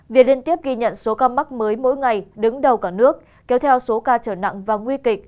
việc liên tiếp ghi nhận số ca mắc mới mỗi ngày đứng đầu cả nước kéo theo số ca trở nặng và nguy kịch